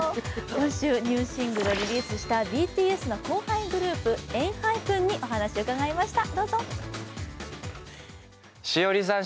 今週ニューシングルをリリースしたＢＴＳの後輩グループ、ＥＮＨＹＰＥＮにお話を伺いました。